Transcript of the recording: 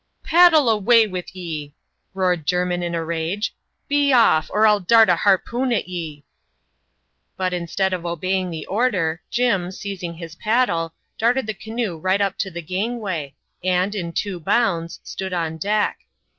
" Paddle away with ye," roared Jermin in a rage ;" be off ; or m dart a harpoon at ye !" But, instead of obeying the order, Jim, seizing his paddle, parted the canoe right up to the gangway, and, in two bounds, Btood on deck.